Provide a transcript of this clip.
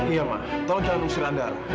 iya ma tolong jangan usir andara